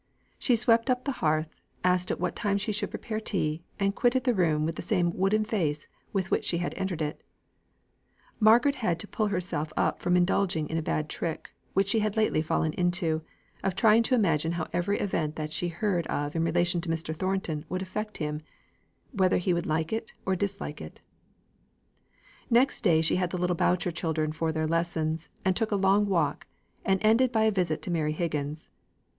She swept up the hearth, asked at what time she should prepare tea, and quitted the room with the same wooden face with which she had entered it. Margaret had to pull herself up from indulging a bad trick, which she had lately fallen into, of trying to imagine how every event that she heard of in relation to Mr. Thornton would affect him: whether he would like it or dislike it. The next day she had the little Boucher children for their lessons, and took a long walk, and ended by a visit to Mary Higgins.